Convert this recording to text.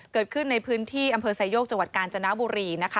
เกิดขึ้นในพื้นที่อำเภอไซโยกจังหวัดกาญจนบุรีนะคะ